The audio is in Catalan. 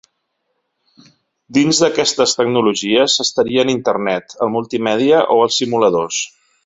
Dins d'aquestes tecnologies estarien Internet, el multimèdia o els simuladors.